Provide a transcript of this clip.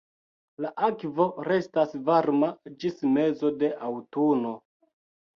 La akvo restas varma ĝis mezo de aŭtuno.